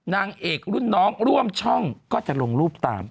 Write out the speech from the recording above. นางเอกรุ่นน้องร่วมช่องก็จะลงรูปตาม